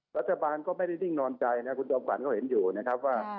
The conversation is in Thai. รัฐบาลก็ไม่ได้ดิ้งนอนใจนะครับคุณจอมฝันก็เห็นอยู่นะครับว่า